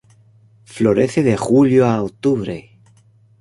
Florece de julio a octubre.